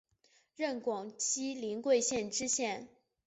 任广西临桂县知县。